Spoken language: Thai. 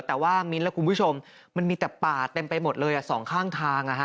แต่ว่ามิ้นท์และคุณผู้ชมมันมีแต่ป่าเต็มไปหมดเลยสองข้างทาง